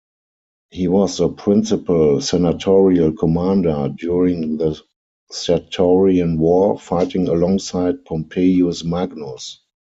He was the principal Senatorial commander during the Sertorian War, fighting alongside Pompeius Magnus.